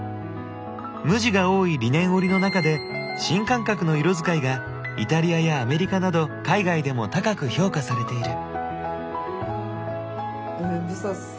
無地が多いリネン織りの中で新感覚の色づかいがイタリアやアメリカなど海外でも高く評価されている。